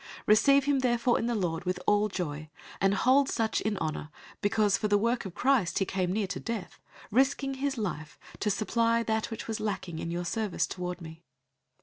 002:029 Receive him therefore in the Lord with all joy, and hold such in honor, 002:030 because for the work of Christ he came near to death, risking his life to supply that which was lacking in your service toward me.